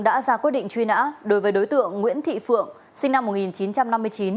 đã ra quyết định truy nã đối với đối tượng nguyễn thị phượng sinh năm một nghìn chín trăm năm mươi chín